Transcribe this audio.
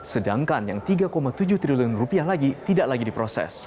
sedangkan yang rp tiga tujuh triliun rupiah lagi tidak lagi diproses